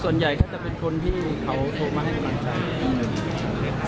ส่วนใหญ่ก็จะเป็นคนที่เขาโทรมาให้กำลังใจ